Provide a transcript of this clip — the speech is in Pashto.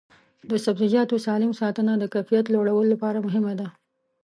د سبزیجاتو سالم ساتنه د کیفیت لوړولو لپاره مهمه ده.